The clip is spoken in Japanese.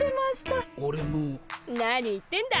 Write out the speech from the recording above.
何言ってんだ。